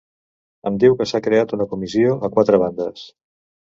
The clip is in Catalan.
Em diu que s’ha creat una comissió a quatre bandes.